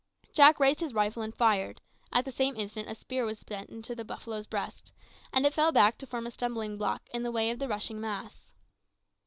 Jack raised his rifle and fired; at the same instant a spear was sent into the buffalo's breast, and it fell back to form a stumbling block in the way of the rushing mass.